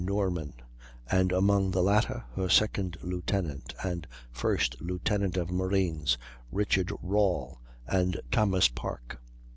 Norman, and among the latter her second lieutenant and first lieutenant of marines, Richard Rawle and Thomas Park.